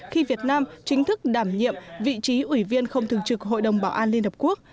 khi việt nam chính thức đảm nhiệm vị trí ủy viên không thường trực hội đồng bảo an liên hợp quốc